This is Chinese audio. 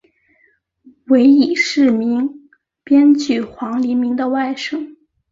为已逝名编剧黄黎明的外甥。